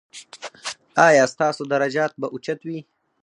ایا ستاسو درجات به اوچت وي؟